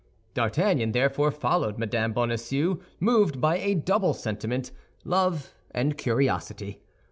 D'Artagnan therefore followed Mme. Bonacieux moved by a double sentiment—love and curiosity.